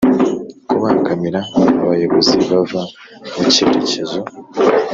kubangamira abayobozi bava mu cyerekezo.